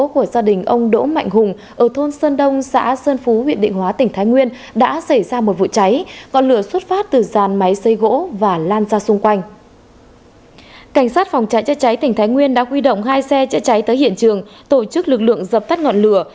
cảnh sát phòng cháy cháy cháy tỉnh thái nguyên đã quy động hai xe cháy cháy tới hiện trường tổ chức lực lượng dập tắt ngọn lửa